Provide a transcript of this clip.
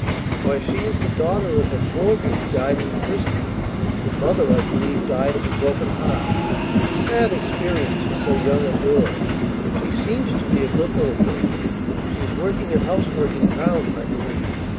"Why, she is the daughter of a forger who died in prison. Her mother, I believe, died of a broken heart. Sad experience for so young a girl. She seems to be a good little thing. She is working at housework in town, I believe.